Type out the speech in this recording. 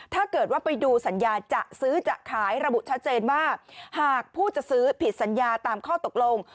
ถ้าเกิดว่าไปดูสัญญาจะซื้อจะขายระบุชัดเจนว่าหากผู้จะซื้อผิดสัญญาตามข้อตกลง